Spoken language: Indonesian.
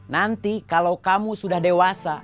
nanti kalau kamu sudah dewasa